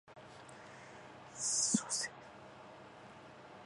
妹島和世